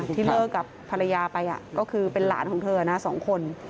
ที่เลิกกับภรรยาไปก็คือเป็นหลานของเธอนะ๒คน